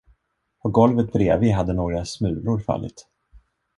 På golvet bredvid hade några smulor fallit.